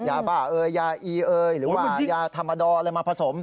ยาบ้าเอ่ยยาอีเอยหรือว่ายาธรรมดออะไรมาผสม